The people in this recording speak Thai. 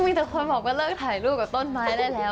มีแต่คนบอกว่าเลิกถ่ายรูปกับต้นไม้ได้แล้ว